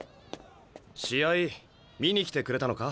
試合見に来てくれたのか？